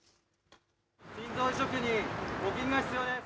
人工移植にお金が必要です。